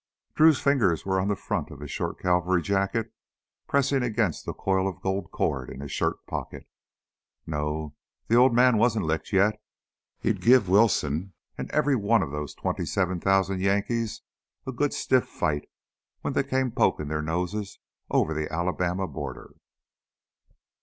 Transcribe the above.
Drew's fingers were on the front of his short cavalry jacket, pressing against the coil of gold cord in his shirt pocket. No, the old man wasn't licked yet; he'd give Wilson and every one of those twenty seven thousand Yankees a good stiff fight when they came poking their long noses over the Alabama border!